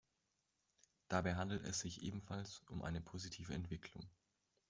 Dabei handelt es sich ebenfalls um eine positive Entwicklung.